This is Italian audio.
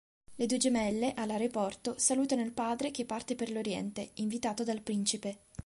Le due gemelle, all’aeroporto, salutano il padre che parte per l’oriente, invitato dal principe.